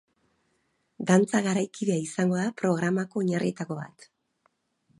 Dantza garaikidea izango da programako oinarrietako bat.